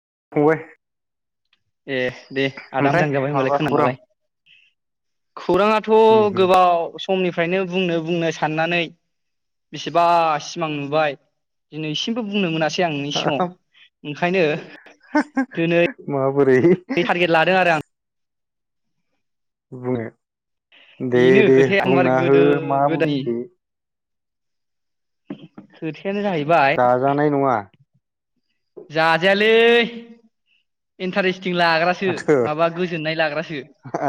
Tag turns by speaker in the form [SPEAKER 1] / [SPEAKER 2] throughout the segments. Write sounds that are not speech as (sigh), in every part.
[SPEAKER 1] (unintelligible)
[SPEAKER 2] ए दे आदा
[SPEAKER 1] ओमफ्राय
[SPEAKER 2] मोजां जाबाय होमबालाय
[SPEAKER 1] माबा खौरां
[SPEAKER 2] खोनाबालाय खौराङाथ'
[SPEAKER 1] उम
[SPEAKER 2] गोबाव समनिफ्रायनो बुंनो बुंनो। साननानै बेसेबा सिमां नुबाय दिनैसिमबो बुंनो मोनाखै। सै आंनि सिगाव ओंखायनो दोनै
[SPEAKER 1] बुरै। बुंनो। दे
[SPEAKER 2] बेनो
[SPEAKER 1] दे
[SPEAKER 2] खोथाया एखमबारे
[SPEAKER 1] बुंना हो
[SPEAKER 2] गोदो
[SPEAKER 1] मा
[SPEAKER 2] गोदायनि
[SPEAKER 1] बुसथु।
[SPEAKER 2] (unintelligible)
[SPEAKER 1] जाजानाय नङा।
[SPEAKER 2] जाजायालै इन्टारेस्ट। मिथिं लाग्रासो
[SPEAKER 1] माथो
[SPEAKER 2] माबा गोजोननाय लाग्रासो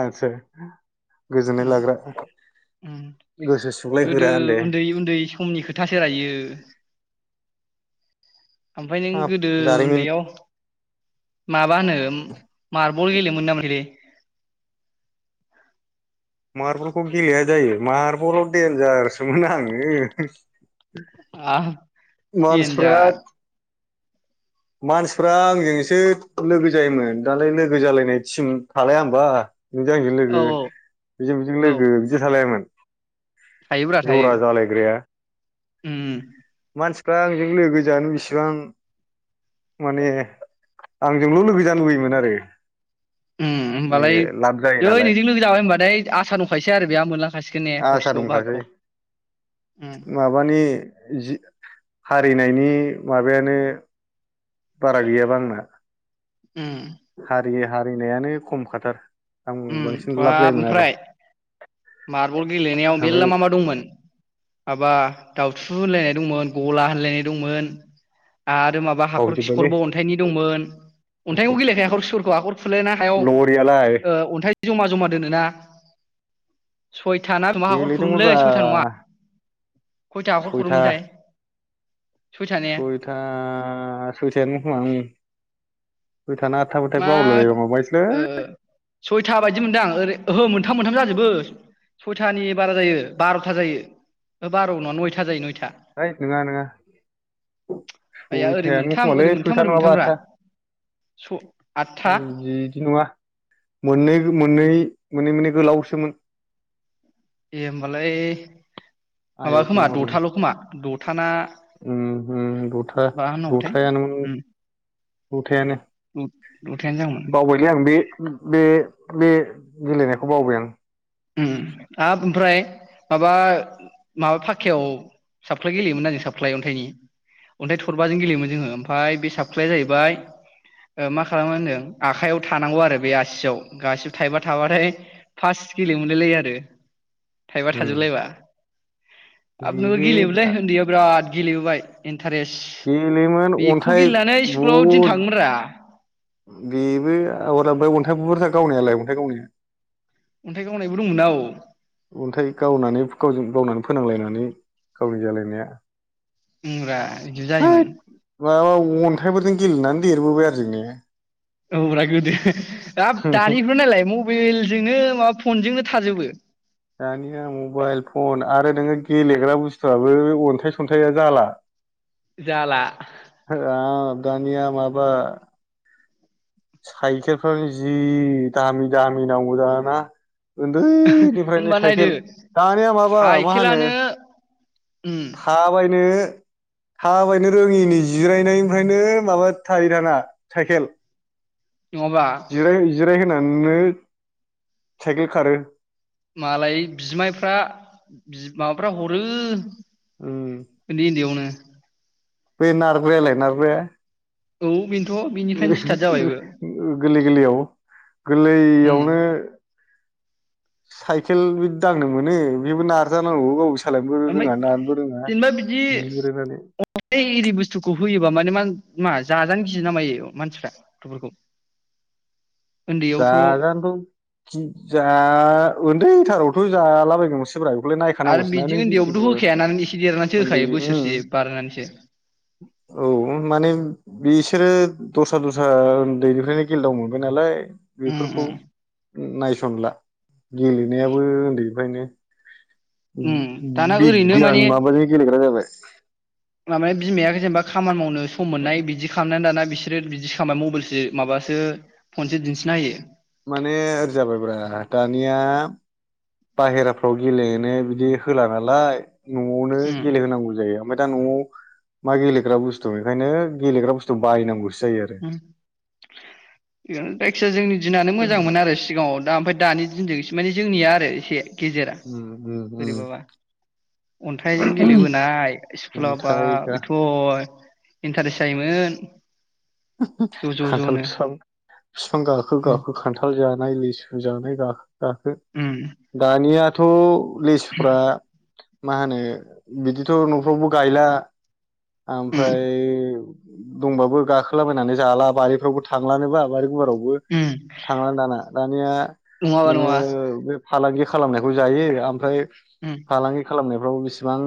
[SPEAKER 1] आदसा गोजोननाय
[SPEAKER 2] उम
[SPEAKER 1] लाग्रा
[SPEAKER 2] उम
[SPEAKER 1] गोसो
[SPEAKER 2] गोदो
[SPEAKER 1] सुग्लायहोग्रा होनदो
[SPEAKER 2] उन्दै उन्दै समनि खोथा सो रा यियो। ओमफाय नो
[SPEAKER 1] अ जारिमिन
[SPEAKER 2] माबा होनो मार्बल गेलेनो मोनोना मोनाखैलै?
[SPEAKER 1] मार्बलखौ गेलेया जायो मार्बलाव देनजारसोमोन आङो।
[SPEAKER 2] (unintelligible)
[SPEAKER 1] मानसिफ्रा
[SPEAKER 2] देनजार
[SPEAKER 1] मानसिफ्रा आंजोंसो लोगो जायोमोन, दालाय लोगो जालायनाय टिम थालाया होमबा। नोंजों आंजों
[SPEAKER 2] औ
[SPEAKER 1] लोगो, बेजों बेजों
[SPEAKER 2] औ
[SPEAKER 1] लोगो बिदि थालायामोन।
[SPEAKER 2] थायोब्रा थायो
[SPEAKER 1] ज'रा जालायग्राया।
[SPEAKER 2] उम
[SPEAKER 1] मानसिफ्रा आंजों लोगो जानो बिसि जां माने आंजोंल' लोगो जानो लुबैयोमोन आरो।
[SPEAKER 2] उम
[SPEAKER 1] माने
[SPEAKER 2] होमबालाय
[SPEAKER 1] लाब जायो
[SPEAKER 2] जै
[SPEAKER 1] नालाय
[SPEAKER 2] नोंजों लोगो जाबाय होनबा थाय आसा दंखायोसै आरो बेहा मोनलां
[SPEAKER 1] आसा दंखासै,
[SPEAKER 2] उम
[SPEAKER 1] माबानि जि हारिनायनि माबायानो बारा गैयाबा आंना।
[SPEAKER 2] उम
[SPEAKER 1] हारि हारिनायानो खमखाथार। आं
[SPEAKER 2] उम
[SPEAKER 1] बांसिन लाब
[SPEAKER 2] बाब
[SPEAKER 1] जायोमोन आरो।
[SPEAKER 2] ओमफ्राय मार्बल गेलेनायाव मेरला
[SPEAKER 1] ओमफ्राय
[SPEAKER 2] मा मा दंमोन? माबा दावथु होनलायनाय दंमोन ग'ला होनलायनाय दंमोन। आरो माबा हाखर
[SPEAKER 1] बावजोब्बायलै
[SPEAKER 2] खिखरबो अन्थाइनि दंमोन, अन्थाइखौ गेलेखायाखै हाखर खिखरखौ हाखर खुलायना हायाव
[SPEAKER 1] लरियालाय
[SPEAKER 2] ओ अन्थाइ ज'मा ज'मा दोनोना। सयथा ना मा हाखर खुरोमलै,
[SPEAKER 1] गेलेदोंमोनब्रा
[SPEAKER 2] सयथा नङा खयथा हाखर
[SPEAKER 1] सयथा
[SPEAKER 2] खुरोमोनथाय?
[SPEAKER 1] सयथा सयथायानोमोन खोमा उम।
[SPEAKER 2] मा ओ
[SPEAKER 1] है
[SPEAKER 2] सयथा बायदि मोनदों आं ओरै ओहो मोनथाम मोनथाम जाजोबो सयथानि बारा जायो बार'था जायो ओ बार नङा नयथा जायो नयथा।
[SPEAKER 1] ओइद नोङा नोङा
[SPEAKER 2] आइया ओरै
[SPEAKER 1] सयथायानो
[SPEAKER 2] मोनथाम
[SPEAKER 1] खोमालै
[SPEAKER 2] ओरै मोनथाम
[SPEAKER 1] सयथा
[SPEAKER 2] ओरै
[SPEAKER 1] नङाबा
[SPEAKER 2] मोनथामब्रा
[SPEAKER 1] आदथा।
[SPEAKER 2] स आदथा
[SPEAKER 1] बिदि नङा मोननै मोन नै मोननै मोननै गोलावसोमोन।
[SPEAKER 2] ए होमबालाय माबा
[SPEAKER 1] आयत
[SPEAKER 2] खोमा
[SPEAKER 1] महरनि
[SPEAKER 2] द'थाल' खोमा द
[SPEAKER 1] उम उम दथा
[SPEAKER 2] मा होननांगौथाय
[SPEAKER 1] दथा
[SPEAKER 2] उम
[SPEAKER 1] दथायानो
[SPEAKER 2] दथायानो जागौमोन
[SPEAKER 1] बावबायलै आं बे बे बे गेलेनायखौ बावबाय आं।
[SPEAKER 2] उम आब ओमफ्राय माबा माबा फाखायाव साफख्लाय गेलेयोमोन ना जों साफख्लाय अन्थाइनि अन्थाइ थरबाजों गेलेयोमोन जोङो ओमफाय बे साफख्लाया जाहैबाय मा खालामो होनदों आखायाव थानांगौ आरो बे आसियाव गासिबो थाइबा थाबाथाय फास्ट। गेलेनोमोनलायलायो आरो। थाइबा
[SPEAKER 1] उम
[SPEAKER 2] थाजोबलायबा। आब नोंबो
[SPEAKER 1] बेबो
[SPEAKER 2] गेलेयोमोन लै उन्दैयाव बिराद गेलेबोबाय एन। टारेस्ट
[SPEAKER 1] गेलेयोमोन
[SPEAKER 2] बेखौ
[SPEAKER 1] अन्थाइ
[SPEAKER 2] गेलेनानै स्कुलाव दिन
[SPEAKER 1] बुहुद
[SPEAKER 2] थाङोमोन रा।
[SPEAKER 1] बेबो आगर ओमफाय अन्थाइ बुरजा गावनायालाय अन्थाइ गावनाया।
[SPEAKER 2] अन्थाइ गावनायबो दंमोन ना औ।
[SPEAKER 1] अन्थाइ गावनानै फो गावजो गावनानै फोनांलायनानै गावनि जालायनाया।
[SPEAKER 2] ओमब्रा बिदि जायोमोन।
[SPEAKER 1] हैद माबा अन्थाइफोरजों गेलेनानै देरबोबाय आरो जों ने।
[SPEAKER 2] औ ब्रा गोदो हाब दानिफ्रा नालाय मबाइलजोंनो माबा फनजोंनो थाजोबो।
[SPEAKER 1] दानिया मबाइल फ्राबो अन्थाइ सन्थाइआ जाला।
[SPEAKER 2] जाला।
[SPEAKER 1] हाब 'दानिया माबा' साइखेलफ्रानो जि दामि दामि नांगौ दाना ना? उन्दैनिफ्रायनो
[SPEAKER 2] होमबा नायदो
[SPEAKER 1] साइकेल दानिया माबा मा होनो
[SPEAKER 2] साइकेलानो उम
[SPEAKER 1] थाबायनो थाबायनो रोङिनि जिरायनायनिफ्रायनो माबा थायो थाना साइखेल।
[SPEAKER 2] नङाबा
[SPEAKER 1] जिराय जिराय। होननो साइकेल खारो।
[SPEAKER 2] मालाय बिमायफ्रा बि माबाफ्रा हरो।
[SPEAKER 1] उम
[SPEAKER 2] उन्दै उन्दैआवनो।
[SPEAKER 1] बे नारग्रालाय नारग्राया?
[SPEAKER 2] औ। बेनोथ' बिनिफ्रायनो स्टार्ट जाबायबो
[SPEAKER 1] गोलै गोलैयाव
[SPEAKER 2] उम
[SPEAKER 1] गोरलैयावनो साइकेल बि दांनो मोनो बेबो नारजानांगौ गावस।
[SPEAKER 2] ओमफ्राय जेनेबा बिदि
[SPEAKER 1] बिग्रोनानै
[SPEAKER 2] अ इरि बुस्थुखौ होयोबा माने मा मा जाजानो गियो ना मायो? मानसिफ्रा गथ'फोरखौ। उन्दैयावथ'
[SPEAKER 1] जागानथ' खि जा उन्दै रावथ' जालाबाय गौमोनसो। फोरा बेखौलाय
[SPEAKER 2] आरो
[SPEAKER 1] नायखानांगौसना
[SPEAKER 2] बिदि
[SPEAKER 1] नों जेखिबो
[SPEAKER 2] उन्दैयावबोथ' होखायाना एसे देरनानैसो
[SPEAKER 1] उन्दै
[SPEAKER 2] होखायो बोसोरसे बारनानैसो
[SPEAKER 1] औ माने बिसोरो दस्रा दस्रा उन्दैनिफ्रायनो गेलेदाव मोनबाय नालाय
[SPEAKER 2] उम
[SPEAKER 1] बेफोरखौ
[SPEAKER 2] उम
[SPEAKER 1] नायसनला गेलेनायाबो उन्दैनिफ्रायनो
[SPEAKER 2] उम दाना ओरैनो
[SPEAKER 1] बिगियान
[SPEAKER 2] माने
[SPEAKER 1] माबाजों गेलेग्रा जाबाय
[SPEAKER 2] माबाया बिमाया जेनेबा खामानि मावनो सम मोननाय बिदि खालामनानै दाना बिसोरो बिदि खालामबाय मबाइलसो माबासो फनसो दिन्थिनो होयो
[SPEAKER 1] माने ओरै जाबायब्रा दानिया बाहेराफ्राव गेलेनो बिदि होला नालाय न'आवनो
[SPEAKER 2] उम
[SPEAKER 1] गेलेहोनांगौ जायो ओमफ्राय दा न'आव मा गेलेग्रा बुस्थु बेंखायनो गेलेग्रा बुस्थु बायनांगौसो जायो आरो
[SPEAKER 2] होम थिगानो जायखिजाया जोंनि दिनानो मोजांमोनो आरो सिगाङाव दा ओमफ्राय दानि दिनजों एसे माने जोंनिया आरो एसे गेजेरा बोरैबाबा अन्थाइजों गेलेबोनाय स्कुला बा
[SPEAKER 1] ओमफ्राय
[SPEAKER 2] बेथ' इन्टारेस जायोमोन ज' ज'
[SPEAKER 1] खान्थाल
[SPEAKER 2] ज'नो
[SPEAKER 1] फिफां फिफां गाखो
[SPEAKER 2] उम
[SPEAKER 1] गाखो खान्थाल जानाय लिसु जानाय गाखो गाखो
[SPEAKER 2] उम
[SPEAKER 1] दानिया थ' पुलिसफोरा मा होनो बिदिथ' न'फ्रावबो गायला
[SPEAKER 2] उम
[SPEAKER 1] ओमफ्राय दंबाबो गाखो खोला बायनानै जाला बारिफ्रावबो थांलानोबा बारि गुवाराव बो
[SPEAKER 2] उम
[SPEAKER 1] थांलानो दाना दानिया
[SPEAKER 2] नङाबा
[SPEAKER 1] नोङो
[SPEAKER 2] नङा
[SPEAKER 1] बे फालांगि खालामनायखौ जायो ओमफ्राय
[SPEAKER 2] उम
[SPEAKER 1] फालांगि खालामनाय फ्राव बिसेबां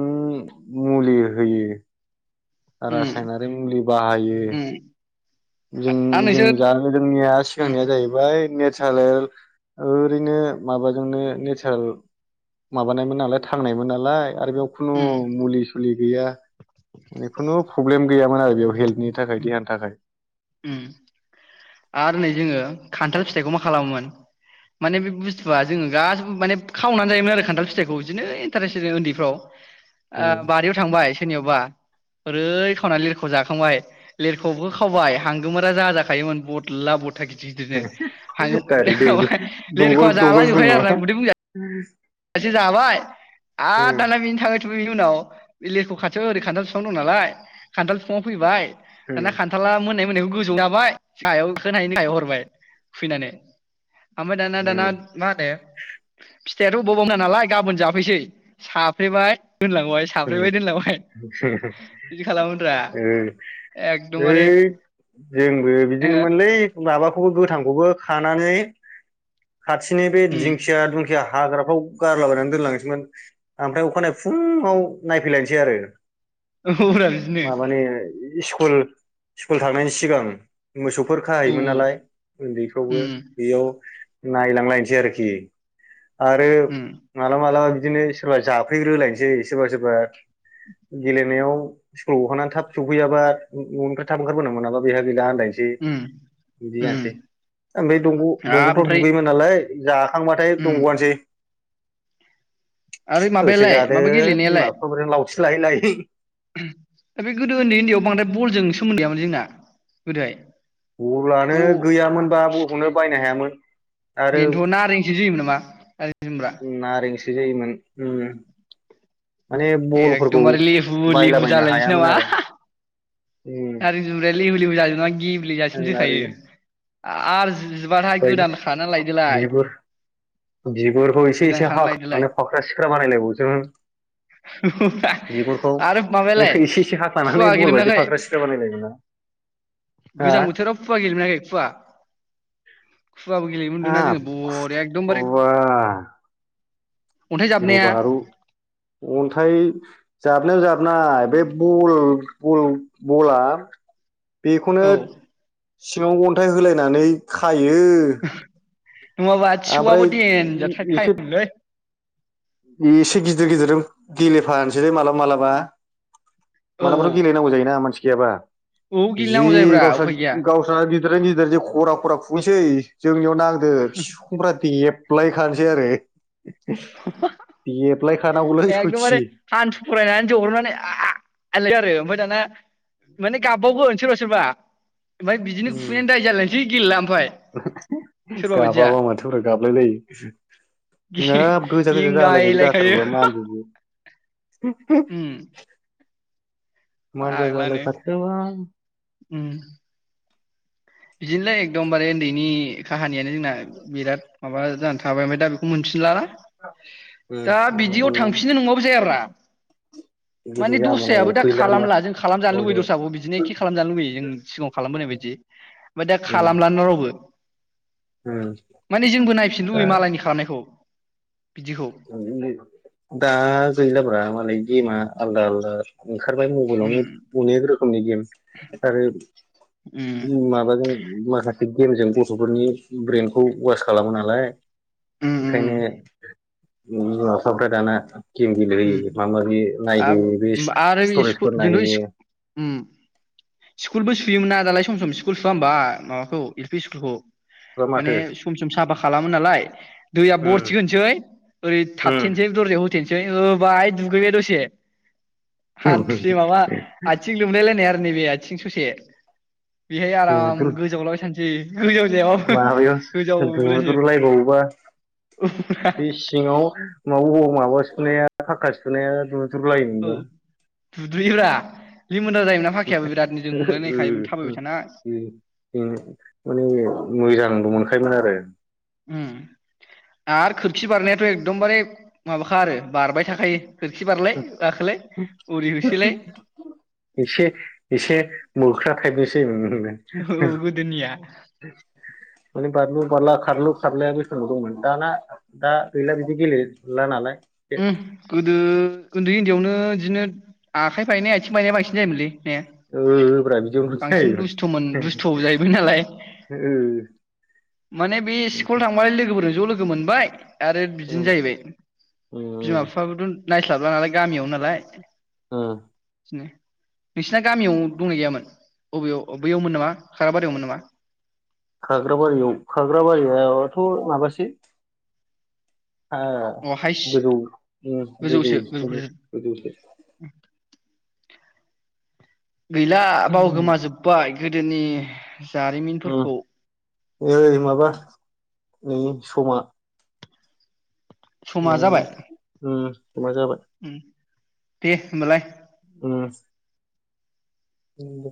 [SPEAKER 1] मुलि होयो।
[SPEAKER 2] उम
[SPEAKER 1] रासायनारि मुलि बाहायो
[SPEAKER 2] उम आरो नोंसोर
[SPEAKER 1] जों-जों-जानो जोंनिया
[SPEAKER 2] उम
[SPEAKER 1] सिगांनिया जाहैबाय नेस थालेर ओरैनो माबाजोंनो नेसारेल माबानायमोन नालाय थांनायमोन नालाय आरो बेयाव खुनु
[SPEAKER 2] उम
[SPEAKER 1] मुलि सुलि गैया जिखुनु फ्रब्लेम गैयामोन आरो बेयाव हेल नि थाखाय देहानि थाखाय
[SPEAKER 2] उम आरो नै जोङो खान्थाल फिथाइखौ मा खालामोमोन माने बे बुस्थुआ जोङो गासिबो माने खावनानै जायोमोन आरो खान्थाल फिथाइखौ बिदिनो इन्टारेस (unintelligible) उन्दैफ्राव
[SPEAKER 1] उम।
[SPEAKER 2] ओ बारियाव थांबाय सोरनियावबा ओरै खावनानै लिरख' जाखांबाय लिरख'बो खावबाय हांगोमोरा जा जाखायोमोन बथला बथ गिदिर गिदिरनो हां
[SPEAKER 1] डाइरेक्ट
[SPEAKER 2] (unintelligible)
[SPEAKER 1] दंग'
[SPEAKER 2] लेरख' जालां
[SPEAKER 1] दंग' ज्रुम
[SPEAKER 2] जोबखायो आरो ना
[SPEAKER 1] नङा
[SPEAKER 2] उदै बुंजा (unintelligible) जाबाय आ दा
[SPEAKER 1] उम
[SPEAKER 2] बेनो थाङै थु ङै नि नाव बे लेरख' खाथियाव ओरै खान्थाल फिफां दं नालाय खान्थाल फिफाङाव फैबाय
[SPEAKER 1] उम
[SPEAKER 2] दाना खान्थाला मोननाय मोननाय गोजौ जाबाय सायाव खोनायनि सायाव हरबाय (unintelligible) ओमफाय दाना दाना
[SPEAKER 1] उम
[SPEAKER 2] मा होनो फिथाइआथ' बबाव ना नालाय गाबोन जाफैसै साफ्रेबाय दोनलांबाय
[SPEAKER 1] उम
[SPEAKER 2] साफ्रेबाय दोनलांबाय
[SPEAKER 1] ओ
[SPEAKER 2] बिदि खालामोब्रा एकदमबारे
[SPEAKER 1] हैइ जोंबो
[SPEAKER 2] ओ
[SPEAKER 1] बिदिनोमोनलै माबाखौबो गोथांखौबो खानानै खाथिनि बे
[SPEAKER 2] उम
[SPEAKER 1] दिंखिया दंखिया हाग्राफ्राव गारलाबायनानै दोनलांसैमोन ओमफ्राय अखानायै फुङाव नायफैलायसै आरो
[SPEAKER 2] औ रा बिदिनो
[SPEAKER 1] कुल स्कुल थांनायनि सिगां मोसौफोर
[SPEAKER 2] औ
[SPEAKER 1] खाहायोमोन नालाय उन्दैफ्रावबो
[SPEAKER 2] उम
[SPEAKER 1] बेयाव नायलांलायनोसै आरोखि आरो
[SPEAKER 2] उम
[SPEAKER 1] मालाबा मालाबा बिदिनो सोरबा जाफैग्रोलायनोसै सोरबा सोरबा गेलेनायाव स्कुल गखांना थाब सफैयाबा न'निफ्राय थाब ओंखारबोनो मोनाबा बेहा गैला नोसै
[SPEAKER 2] उम
[SPEAKER 1] बिदि
[SPEAKER 2] उम
[SPEAKER 1] जानोसै ओमफ्राय दंग'
[SPEAKER 2] हाब
[SPEAKER 1] दंगफ्राव
[SPEAKER 2] ओमफ्राय
[SPEAKER 1] दुगैयोमोन नालाय जाखांबाथाय दंग'आनोसै
[SPEAKER 2] आरोै
[SPEAKER 1] होसो
[SPEAKER 2] माबायालाय
[SPEAKER 1] जादो
[SPEAKER 2] माबा गेले
[SPEAKER 1] बिमा फानिफ्राय लाव थि लायै लायै
[SPEAKER 2] दा बे गोदो उन्दै उन्दैआव बांद्राय बलजों सोमोन्दो गैयामोन जोंना गोदोहाय ब
[SPEAKER 1] अब्लानो गैयामोनबा बलखौनो बायनो हायामोन (inaudible)
[SPEAKER 2] बेनोथ' नारेंसो जोयोमोन नामा नारें जोमब्रा।
[SPEAKER 1] जो जोयोमोन उम उम।
[SPEAKER 2] एदबारे लिहु लिहु
[SPEAKER 1] बायलाबायनो
[SPEAKER 2] जालायनोसै
[SPEAKER 1] हायामोन
[SPEAKER 2] नामा
[SPEAKER 1] आरो उम
[SPEAKER 2] नारि जु लिहु लिहु जाजोबना गेब ब्ले जासिम जोखायो। आ आरो जोबाथाय
[SPEAKER 1] बै
[SPEAKER 2] गोदान खाना लायदोलाय
[SPEAKER 1] बिगुर बिगुरखौ एसे
[SPEAKER 2] गोदान
[SPEAKER 1] एसे
[SPEAKER 2] खाना लायदोलाय
[SPEAKER 1] हाख्लानानै फाख्रा सिख्रा बानायलायबावोसोमोन बिगुरखौ
[SPEAKER 2] आरो माबायालाय
[SPEAKER 1] बैखौ एसे एसे
[SPEAKER 2] फुवा
[SPEAKER 1] हाख्लानानै
[SPEAKER 2] गेलेनो
[SPEAKER 1] बलबायदि
[SPEAKER 2] मोनाखै
[SPEAKER 1] फाख्रा सिख्रा बानायलायोमोन ना हा
[SPEAKER 2] गोजां बोथोराव फुवा गेलेनो मोनाखै फुवा? फुवाबो गेलेयोम मोनदों ना जोङो
[SPEAKER 1] हाब
[SPEAKER 2] बरिया एकदमबारे
[SPEAKER 1] बा
[SPEAKER 2] अन्थाइ
[SPEAKER 1] गिरु
[SPEAKER 2] जाबनाया
[SPEAKER 1] बारु अन्थाय जाबनायाना जाब नाय बे बल बल बला बेखौनो।
[SPEAKER 2] औ
[SPEAKER 1] सिङाव अन्थाइ होलायनानै खायो यो
[SPEAKER 2] नङाबा थिसौआबो
[SPEAKER 1] एसे
[SPEAKER 2] देनजाथाराखायोमलै।
[SPEAKER 1] एसे गिदिर गिदिरजों गेलेफानोसै दै माबलाबा मालाबा।
[SPEAKER 2] औ
[SPEAKER 1] मालाबा गेले नागौ जायोना मानसि गियाब्रा
[SPEAKER 2] औ
[SPEAKER 1] जि
[SPEAKER 2] गेलेनांगौ जायोब्रा
[SPEAKER 1] गावसा
[SPEAKER 2] उफाय गैया
[SPEAKER 1] गावसा गे गिदिर गिदिर ज खरा खरा खुंनोसै। जोंनियाव नांदो बिफुंफ्रा देब। बुलाय खानोसै आरो। (unintelligible)
[SPEAKER 2] एखदमारे
[SPEAKER 1] सयथि
[SPEAKER 2] हान्थु फरायनानै जहरनानै आल आरो। इफाय दाना माने गाबबिवगोन। सोरबा सोरबा। ओमफ्राय बिदिनो खुबैनानै दाय जालायनोसै गेलेला ओमफ्राय
[SPEAKER 1] उम
[SPEAKER 2] सोरबा बायदिया
[SPEAKER 1] गाबाबा माथोफ गाबलाय लायो
[SPEAKER 2] गे-
[SPEAKER 1] हाब गोजा गोजा जालायनायबो
[SPEAKER 2] गेंगायलायखायो
[SPEAKER 1] जाथारबो मानहोनजोबो।
[SPEAKER 2] उम
[SPEAKER 1] (unintelligible) मानजा जालाय
[SPEAKER 2] फाग्लानो
[SPEAKER 1] रायदों दां
[SPEAKER 2] उम बिदिनोलै एकदमबारे ओन्दैनि काहानियानो जोंना बिराद माबा जा थाबाय दा ओमफ्राय दा मोनफिनलाना? दा बिदियाव
[SPEAKER 1] बेबायदि
[SPEAKER 2] थांफिननो नंबाबो जायाब्रा। माने
[SPEAKER 1] जाबावनांगौ
[SPEAKER 2] दस्रायाबो दा
[SPEAKER 1] गैला मा
[SPEAKER 2] खालामला जों खालामजानो लुबैयो दस्रखौबो बिदिनो खि खालामजानो लुबैयो जों सिगाङाव खालामबोनाय बायदि। दा खालामलानो रावबो। (unintelligible) माने जोंबो नायफिन लुबै
[SPEAKER 1] दा
[SPEAKER 2] मालायनि खालामनायखौ। बिदिखौ
[SPEAKER 1] (unintelligible) दा गैलाब्रा मालाय गेमा आलदा आलदा ओंखारबाय मबाइलावनो
[SPEAKER 2] उम
[SPEAKER 1] अनेक रोखोमनि गेम आरो
[SPEAKER 2] उम
[SPEAKER 1] उ माबाजों माखासे। गेमजों गथ'फोरनि ब्रेनखौ वास खालामो नालाय।
[SPEAKER 2] उम उम
[SPEAKER 1] ओखायनो (unintelligible) दाना गेम गेले
[SPEAKER 2] उम
[SPEAKER 1] होयो माबा माबि नायदो
[SPEAKER 2] आब
[SPEAKER 1] बे
[SPEAKER 2] आरो स्कुल
[SPEAKER 1] स्टरेजफोर
[SPEAKER 2] जोंथ'
[SPEAKER 1] नायहैयो
[SPEAKER 2] स्कुल उम स्कुलबो सुयोमोन ना दालाय सम स्कुल सुआ होमबा माबाखौ एल पि स्कुल खौ
[SPEAKER 1] बा
[SPEAKER 2] माने
[SPEAKER 1] माथो
[SPEAKER 2] सम सम साफा खालामो नालाय दैया
[SPEAKER 1] उम
[SPEAKER 2] बरथिगोनोसै ओरै
[SPEAKER 1] उम
[SPEAKER 2] थाथथनोसै दरजायाव होथनोसै दै होबाय दुगैबाय दसे हान्थुसे माबा आथिं लोमलाय लायनाय आरो नैबे आथिं स'से बेहाय आराम
[SPEAKER 1] दुद्रु
[SPEAKER 2] गोजाव लाबाय थान सै
[SPEAKER 1] माबायाव दुद्रुलायबावोबा बे सिङाव माबा बबाव माबासुनाया फाक्का सुनाया दु द्रुलायो
[SPEAKER 2] औ
[SPEAKER 1] मोनबा
[SPEAKER 2] दुद्रुयोब्रा लिमोनद्रा जायोमोनना फाखायाबो
[SPEAKER 1] (unintelligible)
[SPEAKER 2] बिरादनो जोंलायलायखायोमोन थाबायबाय थाना
[SPEAKER 1] माने मोजां (unintelligible) फाय मोन आरो
[SPEAKER 2] उम आरो खोरखि बारनायाथ' एकदमबारे माबाखा आरो बारबाय थाखायो खोरखि बारलाय गाखोलाय ओरै होसोलाय
[SPEAKER 1] (unintelligible) एसे एसे मोख्रा थाइपनिसो
[SPEAKER 2] औ गोदोनिया
[SPEAKER 1] माने बारलु बारला खारलु खारलाया बेसनाव दंमोन दाना दा गैला बिदि गेलेला नालाय
[SPEAKER 2] उम्म गोदो उन्दै उन्दैयावनो बिदिनो आखाइ बायनाय आथिं बायनाया बांसिन जायोमोनलै। ने
[SPEAKER 1] ओ
[SPEAKER 2] बांसिन दुस्थ'मोन दुस्थ' जाहैबाय नालाय माने बे स्कुल थांबालाय लोगोफोरजों ज' लोगो मोनबाय आरो बिदिनो
[SPEAKER 1] उम उम
[SPEAKER 2] जाहैबाय
[SPEAKER 1] उम
[SPEAKER 2] बिमा बिफाबोथ' नायस्लाबला नालाय गामियाव नालाय
[SPEAKER 1] ओ
[SPEAKER 2] नो नोंसिना गामियाव दंनाय गैयामोन? बबेयाव बैयावमोन नामा खाराबारियावमोन नामा?
[SPEAKER 1] खाग्राबारियाव खाग्राबारियाथ' माबासो हा
[SPEAKER 2] अ हाइस
[SPEAKER 1] गोजौ गोजौ
[SPEAKER 2] गोजौसो गोजौफोरसो
[SPEAKER 1] गोजौसो
[SPEAKER 2] गैला बाव
[SPEAKER 1] उम
[SPEAKER 2] गोमाजोब्बाय गो दोनि जारिमिनफोरखौ
[SPEAKER 1] ऐ माबा नै समा ओ
[SPEAKER 2] समा जाबाय
[SPEAKER 1] ओ समा जाबाय।
[SPEAKER 2] उम दे होनबालाय।
[SPEAKER 1] उम्म उम्म दे।